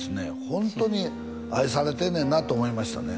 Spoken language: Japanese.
ホントに愛されてんねんなと思いましたね